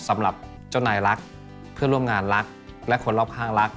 สำหรับเจ้านายรักเพื่อนร่วมงานรักและคนรอบข้างรัก